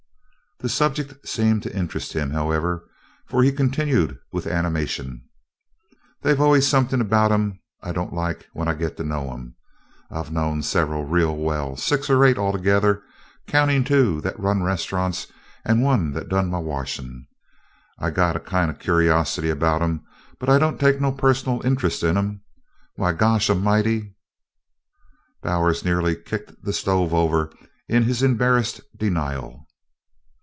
The subject seemed to interest him, however, for he continued with animation: "They's always somethin' about 'em I don't like when I git to know 'em. I've knowed several real well six or eight, altogether, countin' two that run restauraws and one that done my warshin'. I got a kind o' cur'osity about 'em, but I don't take no personal interest in 'em. Why Gosh a'mighty " Bowers nearly kicked the stove over in his embarrassed denial.